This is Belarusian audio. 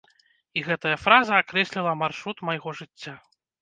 І гэтая фраза акрэсліла маршрут майго жыцця.